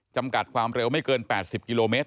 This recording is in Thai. จำกัดความเร็วไม่เกิน๘๐กิโลเมตร